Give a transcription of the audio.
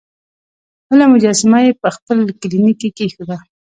بله مجسمه یې په خپل کلینیک کې کیښوده.